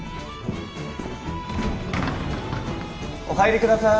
お入りください